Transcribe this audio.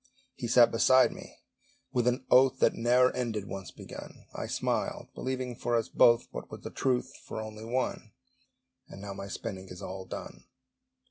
He sat beside me, with an oath That love ne'er ended, once begun; I smiled, believing for us both, What was the truth for only one: And now my spinning is all done.